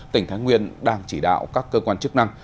tỉnh thái nguyên đang chỉ đạo các cơ quan chức năng